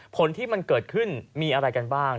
ผลที่มันเกิดขึ้นมีอะไรกันบ้าง